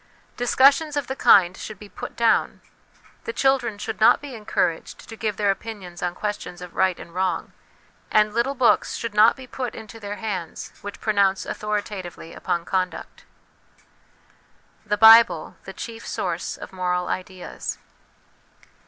Discussions of the kind should be put down ; the children should not be encouraged to give their opinions on questions of right and wrong, and little books should not be put into their hands which pronounce authoritatively upon conduct. The Bible the Chief Source of Moral Ideas.